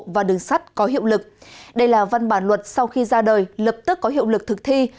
và đường sắt có hiệu lực đây là văn bản luật sau khi ra đời lập tức có hiệu lực thực thi